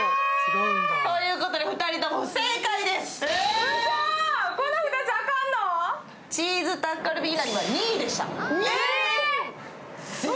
ということで、２人とも不正解です。